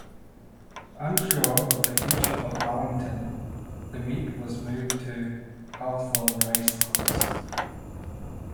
Unsure of the future of Arlington, the meet was moved to Hawthorne Race Course.